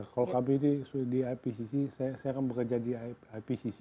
kalau kami di ipcc saya kan bekerja di ipcc